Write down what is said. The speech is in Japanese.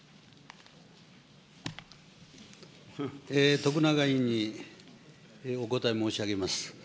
徳永委員にお答え申し上げます。